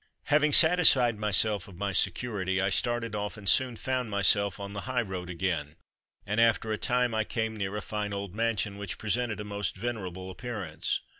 "Having satisfied myself of my security, I started off and soon found myself on the highroad again, and after a time I came near a fine old mansion which presented a most venerable appearance.